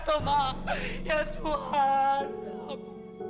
liat maafkan aku liat